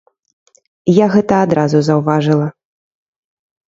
Я гэта адразу заўважыла.